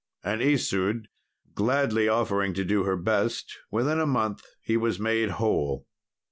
And Isoude gladly offering to do her best, within a month he was made whole.